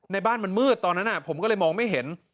ในบ้านมันมืดตอนนั้นผมก็เลยมองไม่เห็น